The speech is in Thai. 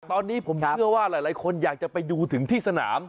ตอนนี้ผมเชื่อว่าหลายคนอยากจะไปดูถึงที่สนาม